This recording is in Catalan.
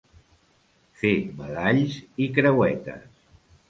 Fer badalls i creuetes.